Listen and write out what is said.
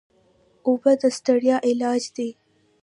اوبه د ستړیا علاج دي.